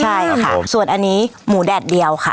ใช่ค่ะส่วนอันนี้หมูแดดเดียวค่ะ